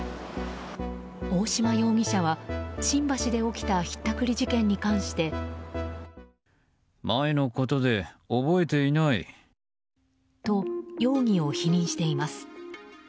大島容疑者は新橋で起きたひったくり事件に関して。と、容疑を否認しています。